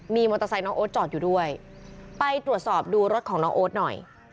มีมอเตอร์ไซค์น้องโอ๊ตจอดอยู่ด้วยไปตรวจสอบดูรถของน้องโอ๊ตหน่อย